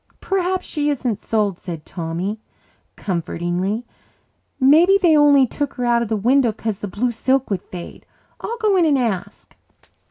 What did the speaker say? "Perhaps she isn't sold," said Tommy comfortingly. "Maybe they only took her out of the window 'cause the blue silk would fade. I'll go in and ask."